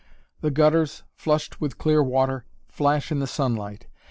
The gutters, flushed with clear water, flash in the sunlight.